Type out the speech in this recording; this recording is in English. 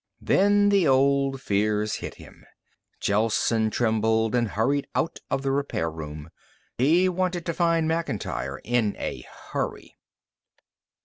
Then the old fears hit him. Gelsen trembled and hurried out of the repair room. He wanted to find Macintyre in a hurry.